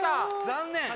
残念！